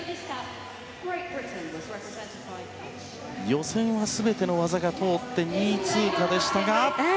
予選は全ての技が通って２位通過でしたが。